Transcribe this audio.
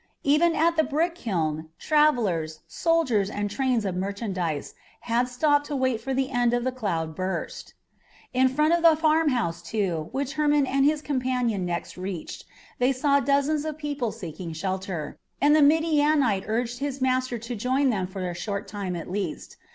Even at the brick kiln travellers, soldiers, and trains of merchandise had stopped to wait for the end of the cloud burst. In front of the farmhouse, too, which Hermon and his companion next reached, they saw dozens of people seeking shelter, and the Midianite urged his master to join them for a short time at least.